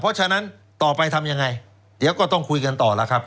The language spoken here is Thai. เพราะฉะนั้นต่อไปทำยังไงเดี๋ยวก็ต้องคุยกันต่อแล้วครับ